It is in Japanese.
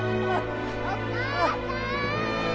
お母さん！